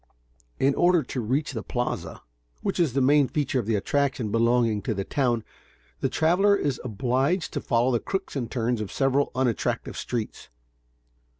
In order to reach the Plaza, which is the main feature of attraction belonging to the town, the traveler is obliged to follow the crooks and turns of several unattractive streets.